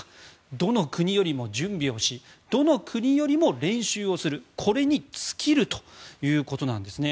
どの国よりも準備をしどの国よりも練習をするこれに尽きるということなんですね。